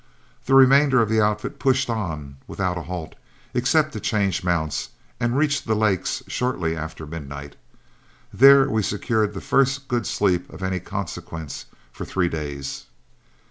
The remainder of the outfit pushed on without a halt, except to change mounts, and reached the lakes shortly after midnight. There we secured the first good sleep of any consequence for three days.